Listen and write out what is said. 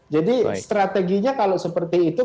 jadi strateginya kalau seperti itu